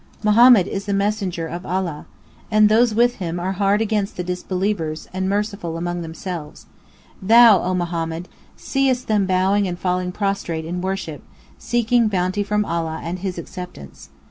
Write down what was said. P: Muhammad is the messenger of Allah. And those with him are hard against the disbelievers and merciful among themselves. Thou (O Muhammad) seest them bowing and falling prostrate (in worship), seeking bounty from Allah and (His) acceptance.